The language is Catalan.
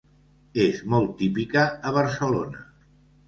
És molt típica a Barcelona.